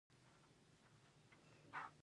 آیا د جنازې پورته کول فرض کفایي نه دی؟